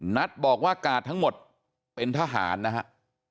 นัทบอกว่ากาดทั้งหมดเป็นทหารนะครับ